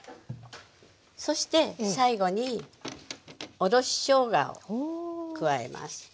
そして最後におろししょうがを加えます。